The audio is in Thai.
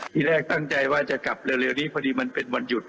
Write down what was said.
ทีแรกตั้งใจว่าจะกลับเร็วนี้พอดีมันเป็นวันหยุด